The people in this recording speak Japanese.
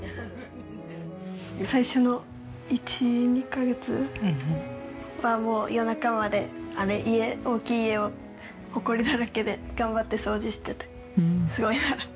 最初の１２カ月は夜中まで大きい家をほこりだらけで頑張って掃除しててすごいなって。